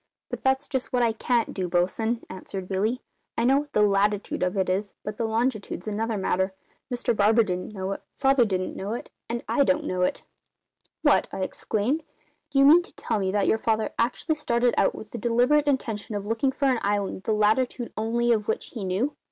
"But that's just what I can't do, bosun," answered Billy. "I know what the latitude of it is, but the longitude's another matter. Mr Barber didn't know it; Father didn't know it; and I don't know it." "What!" I exclaimed. "Do you mean to tell me that your father actually started out with the deliberate intention of looking for an island the latitude only of which he knew?"